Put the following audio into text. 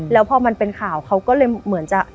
แล้วพอมันเป็นข่าวเขาก็เลยเหมือนจะ